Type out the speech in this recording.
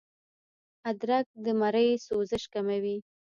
ادرک د مرۍ سوزش کموي